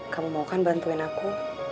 kamu mau kan bantuin aku